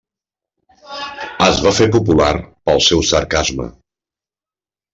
Es va fer popular pel seu sarcasme.